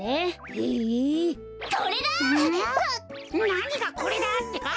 なにが「これだ！」ってか？